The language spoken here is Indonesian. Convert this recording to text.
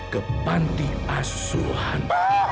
ke panti asuhan